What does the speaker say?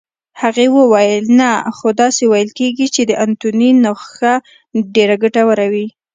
هغې وویل: نه، خو داسې ویل کېږي چې د انتوني نخښه ډېره ګټوره وي.